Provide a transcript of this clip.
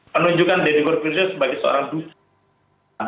penunjukan deddy corbusier sebagai seorang ducat